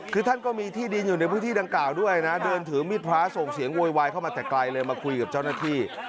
คือท่านก็มีที่ดินอยู่ในพื้นที่ดังกล่าวด้วยนะเดินถือมีดพระส่งเสียงโวยวายเข้ามาแต่ไกลเลยมาคุยกับเจ้าหน้าที่